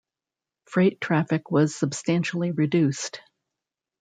Freight traffic was substantially reduced.